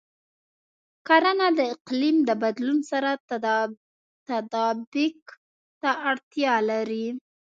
کرنه د اقلیم د بدلون سره تطابق ته اړتیا لري.